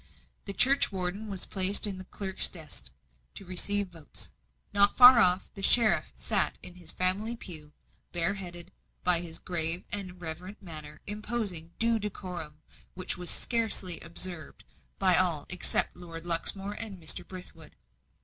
The churchwarden was placed in the clerk's desk to receive votes. Not far off, the sheriff sat in his family pew, bare headed; by his grave and reverent manner imposing due decorum, which was carefully observed by all except Lord Luxmore and Mr. Brithwood.